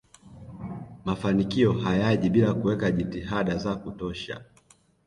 mafanikio hayaji bila kuweka jitihada za kutosha